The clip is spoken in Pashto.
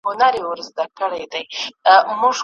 که بل څوک پر تا مین وي د خپل ځان لري غوښتنه